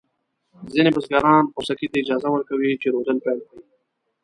ځینې بزګران خوسکي ته اجازه ورکوي چې رودل پيل کړي.